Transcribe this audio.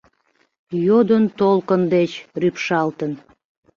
Йодын толкын деч, рӱпшалтын: